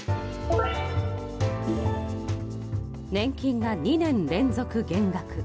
年金が２年連続減額。